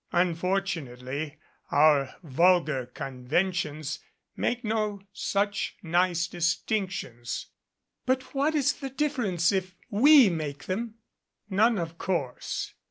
"Unfortunately our vulgar conventions make no such nice distinctions." "But what is the difference if we make them?" "None, of course.